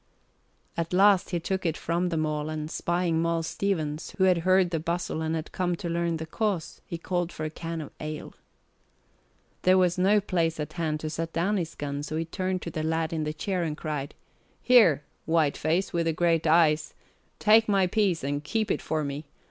At last he took it from them all and, spying Moll Stevens, who had heard the bustle and had come to learn the cause, he called for a can of ale. There was no place at hand to set down his gun so he turned to the lad in the chair and cried, "Here, whiteface with the great eyes, take my piece and keep it for me.